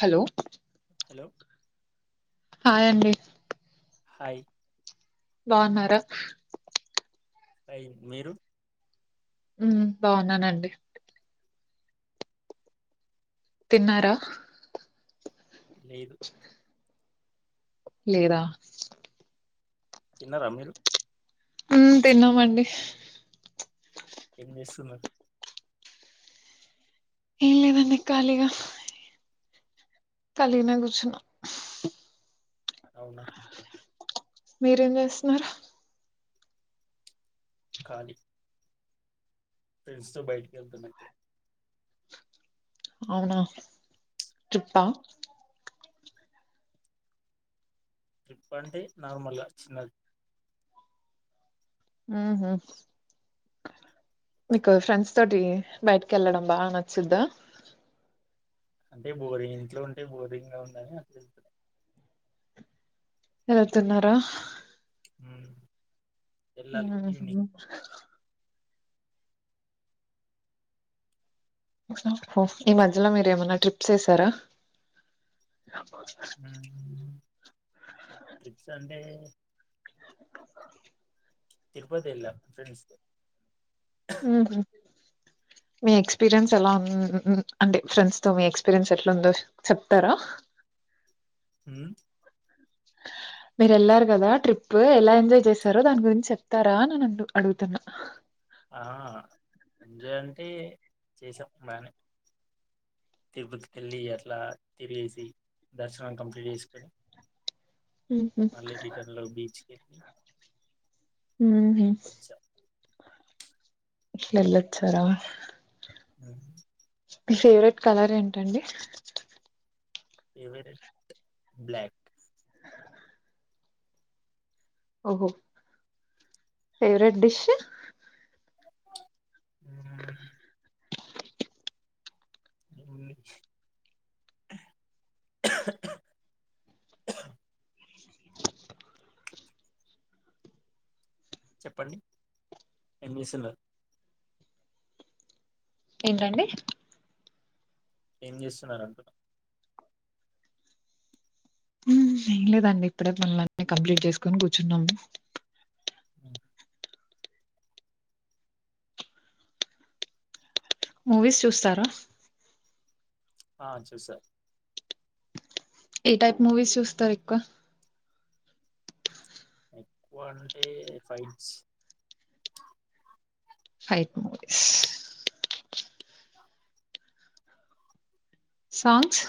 hello hello hi అండి hi బాగున్నార fine మీరు ఉ బాగున్నానండి తిన్నారా లేదు లేదా తిన్నారా మీరు ఉ తిన్నామండి ఏం చేస్తున్నారు ఏం లేదండి ఖాళీగా ఖాళీనే కూర్చున్నాం అవునా మీరేం చేస్తున్నారు ఖాలీ ఫ్రెండ్స్ తో బయటికి వెళ్తున్నామండీ అవునా ట్రిప్పా ట్రిప్ అంటే నార్మల్గా చిన్నది ఉ హామ్ మీకు ఫ్రెండ్స్ తోటి బయటికి వెళ్ళడం బాగా నచ్చుద అంటే బోరింగ్ ఇంట్లో ఉంటే బోరింగ్ గా ఉందని ఆ వెళ్తున్నారా ఉమ్ వెళ్ళాలి ఉమ్ ఈవినింగ్ ఈ మధ్యలో మీరు ఏమన్నా ట్రిప్స్ వేశారా ఉమ్ ట్రిప్స్ అంటే తిరుపతి వెళ్ళా ఫ్రెండ్స్ తో ఆహ మీ ఎక్స్పీరియన్స్ ఎలా ఉ అంటే ఫ్రెండ్స్ తో మీ ఎక్స్పీరియన్స్ ఎట్లాందో చెప్తారా హమ్ మీరు వెళ్లారు కదా ట్రిప్ ఎలా ఎంజాయ్ చేశారో దాని గురించి చెప్తారా న అడుగుతున్నా ఆ ఎంజాయ్ అంటే చేసాం బానే తిరుపతికి వెళ్ళి అట్లా తిరిగేసి దర్శనం కంప్లీట్ చేసుకొని ఉహు మళ్ళీ రిటర్న్ లో బీచ్ కి వెళ్ళి ఉమ్ వచ్చా ఎల్లోచ్చారా ఉమ్ మీ ఫేవరెట్ కలర్ ఏంటండి ఫవరెట్ బ్లక్ ఓహో ఫేవరెట్ డిష్ హ్మ్ చెప్పండి ఏం చేస్తున్నారు ఏంటండి ఏం చేస్తున్నార అంటున్నా ఏం లేదండి ఇప్పుడే పనుల్లనీ కంప్లీట్ చేసుకొని కూర్చున్నాము మూవీస్ చూస్తారా ఆ చూస్తా ఏ టైప్ మూవీస్ చూస్తారు ఎక్కువ ఎక్కువ అంటే fights fight movies songs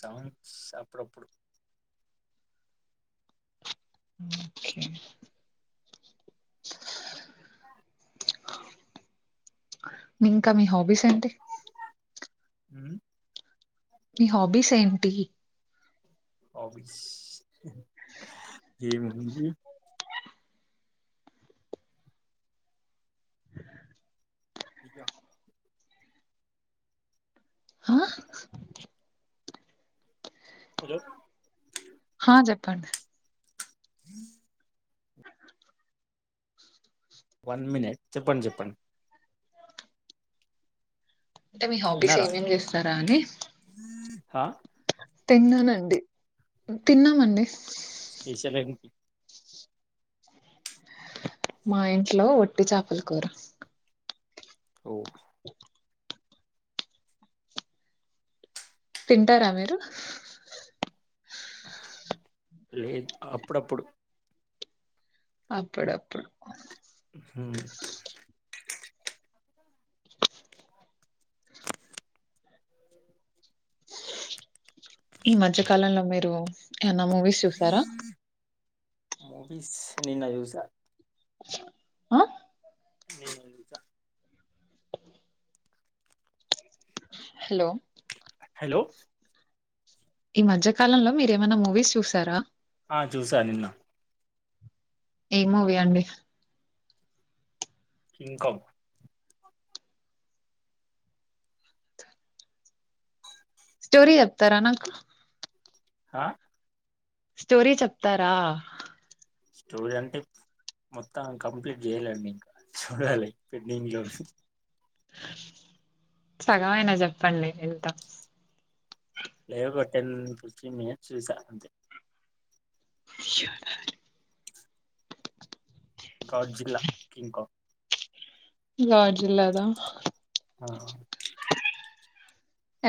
songs అప్పుడప్పుడు ఓకే ఇంకా మీ హాబీస్ ఏంటి అ మీ హాబీస్ ఏంటి హాబీస్ ఏం ఇకా హా హలో ఆ చెప్పండి ఇ వన్ మినిట్ చెప్పండి చెప్పండి అంటే మీ హాబీస్ తిన్నారా ఏమేం చేస్తారా అని హా తిన్నానండి తిన్నామండి స్పెషల్ ఏ మా ఇంట్లో వట్టి చేపల కూర ఓ తింటారా మీరు లేదు అప్పుడప్పుడు అప్పుడప్పుడు హ ఈ మధ్యకాలంలో మీరు ఏమన్న మూవీస్ చూసారా మూవీస్ నిన్న చూసా ఆ ఏకా హలో హలో ఈ మధ్య కాలంలో మీరు ఏమైనా మూవీస్ చూసారా ఆ చూసా నిన్న ఏ మూవీ అండి కింకగ్ స్టోరీ చెప్తారా నాకు ఆ స్టోరీ చెప్తారా స్టోరీ అంటే మొత్తం కంప్లీట్ చేయాలేండి ఇంకా చూడాలి పెన్నంగ్ లో సగమయినా చెప్పండి వెళ్తా లేలైవ్బట్టన్ పృి మీ శ్రీస అంతే గ జిల్లా కంకో జిల్లాదా ఆ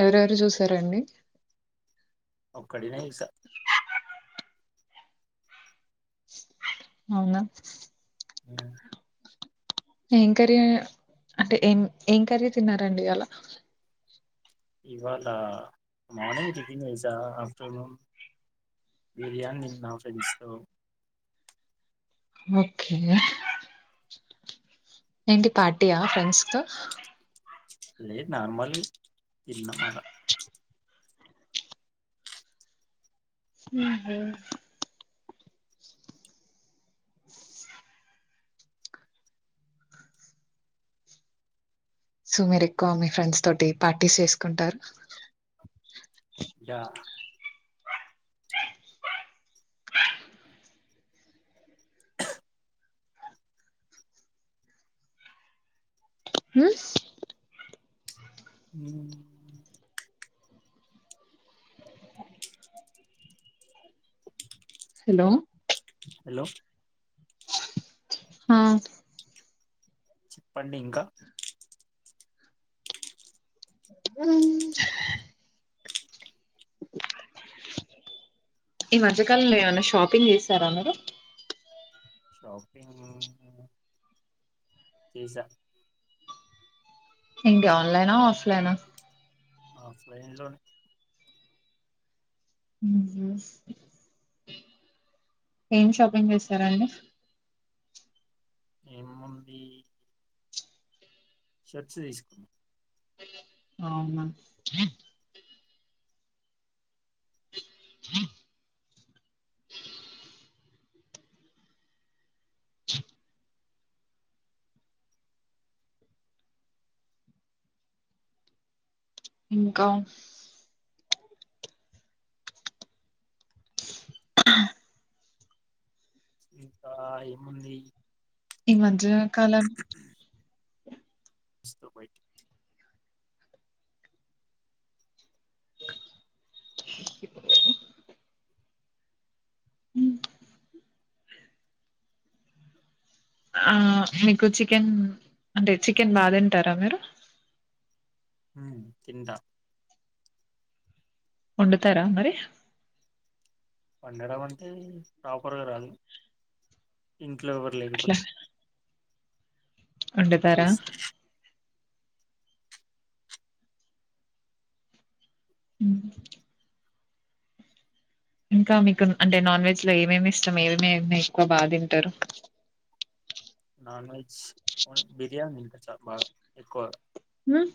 ఎవరెవరు చూసారండి ఒక్కడినే చూసా అవునా అ ఏం కర్రీ అంటే ఏం ఏం కర్రీ తిన్నారండి అలా ఇవాళ మార్నింగ్ తని ఈజా ఆఫ్టర్నూన్ బిర్యానీ నా ఫ్రెంస్ ఓకే ఏంటి పార్టీయా ఫ్రెండ్స్ త అ నార్మల్ లి ఇన్న మళ హ్మ్ హ్మ్ సో మీరు ఎక్కువ మీ ఫ్రెండ్స్ తోటి పార్టీస్ చేసుకుంటారు య ా హ్మ్ హ హలో హలో హ చెప్పండి ఇంకా హుమ్ ఈ మధ్యకాలంలో ఏమైనా షాపింగ్ చేసారా మీరు షోపింగ్ చేసా ఎంటి ఆన్లైనా ఆఫ్లైనా ఆఫ్లైన్లై ఏం షాపింగ్ చేసరండి ఏముంది షాట్స్ తీసుకున్న అవునా హ [unintelligible] ఇంకా [unintelligible] ఇంకా ఏముంది ఇ మధ్య కాలం ఎస్త బయిట్ ప్పు ఆ మీకు చికెన్ అంటే చికెన్ బాగా తింటారా మీరు హ తింట వండుతరా మరి వండడం అంటే ప్రాపర్గా రాదు ఇం ఇట్లో అట్లా ఎవ్వర్లేకపోతే వండుతారా ఉమ్ ఇంకా మీకు అంటే నాన్ వెజ్ లో ఏమేమి ఇష్టం ఏమేమి ఎక్కువ బాగా తింటారు ట బాగ ఎక్కువ ఉమ్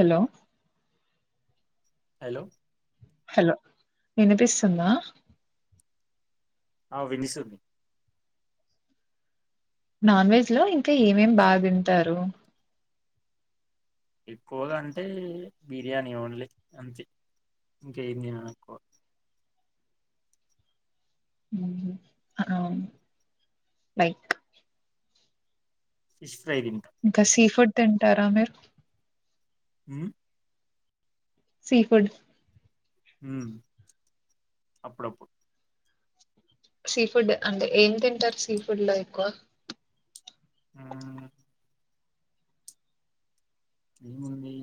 హలో హలో హలో వినిపిస్తుందా ఆ వినిస్ నాన్ వెజ్ లో ఇంకా ఏమేమి బాగా తింటారు ఎక్కువగా అంటే బిర్యానీ ఓన్లీ అంతే ఇంక ఏం తినను ఎక్కువ లైక్ స్ గసిఫడ్ తింటారా మీరు ఉమ్ సీ ఫుడ్ ఉమ్ అప్పుడప్ సీ ఫుడ్ అంటే ఏం తింటారు సీ ఫుడ్ లో ఎక్కువ ఆ ఏముంది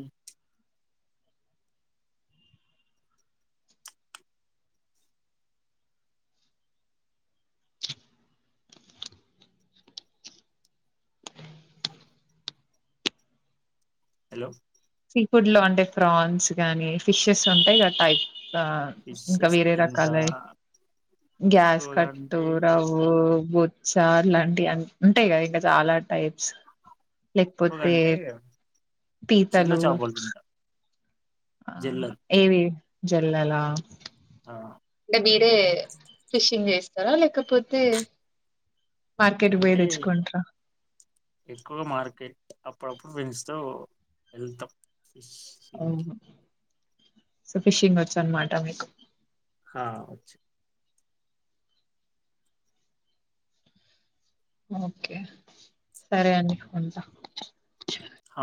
హలో సీ ఫుడ్ లో అంటే ఫ్రాన్స్ గానీ ఫిషెస్ ఉంటాయి టైప్ ఆ ఇంకా ఫిషెస్ వేరే రకాల తింటా గ్యాస్ ఎక్కువగా కట్టు అంటే రవవు బొచ్ చార్లాంటివి ఉంటాయి కదా ఇంకా చాలా టైప్స్ ఎక్కువగా లేకపోతే అంటే పీ చిన్న చాపోల్ తింటా ఆ జెల్లలు ఏవి జల్లలా ఆ అంటే మీరే ఫిషింగ్ చేస్తారా లేకపోతే మార్కెట్ పోయ తెచ్చుకుంట్ర ఎక్కువగా మార్కెట్ అప్పుడప్పుడు పెన్స్తో వెళ్తాం సిం సో ఫిషింగ్ వచ్చు అనమాట మీకు ఆ వచ్చు ఓకే సరే అండీ ఉంటా ఆ